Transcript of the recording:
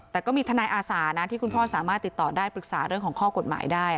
แต่ก็มีทนายอาสานะที่คุณพ่อสามารถติดต่อได้ปรึกษาเรื่องของข้อกฎหมายได้